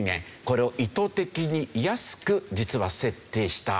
これを意図的に安く実は設定した。